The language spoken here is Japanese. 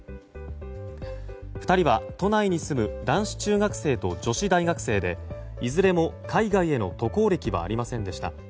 ２人は都内に住む男子中学生と女子大学生でいずれも海外への渡航歴はありませんでした。